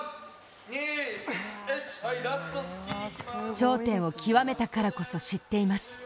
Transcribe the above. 頂点を極めたからこそ知っています。